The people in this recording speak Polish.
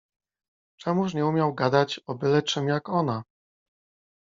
Czemuż nie umiał gadać o byle czym, jak ona?